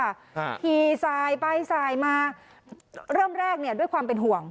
ฮะขี่สายไปสายมาเริ่มแรกเนี้ยด้วยความเป็นห่วง